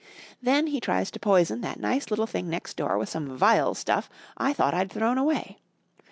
Then he tries to poison that nice little thing next door with some vile stuff I thought I'd thrown away.